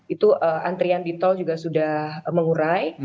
itu antrian di tol juga sudah mengurai